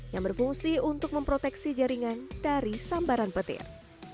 yang berfungsi untuk memproteksi jaringan dari sambaran petir